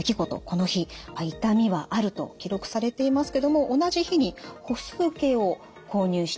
この日「痛みはある」と記録されていますけども同じ日に歩数計を購入しています。